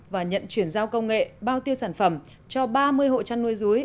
và nhận chuyển giao công nghệ bao tiêu sản phẩm cho ba mươi hộ chăn nuôi rúi